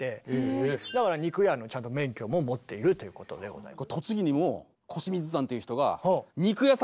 だから肉屋のちゃんと免許も持っているということでございます。